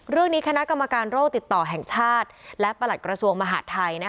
เรื่องนี้คณะกรรมการโรคติดต่อแห่งชาติและประหลักกระทรวงมหาธัย